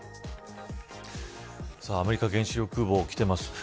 アメリカ原子力空母きてます。